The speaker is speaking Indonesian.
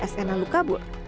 sn lalu kabur